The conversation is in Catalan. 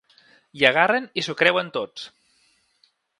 I agarren i s’ho creuen tots!